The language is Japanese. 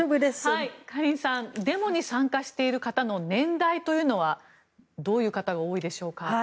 カリンさんデモに参加している方の年代というのはどういう方が多いでしょうか。